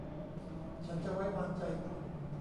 ฉันจะไว้วางใจคุณ